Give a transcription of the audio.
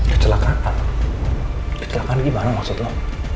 kecelakaan kecelakaan gimana maksud lo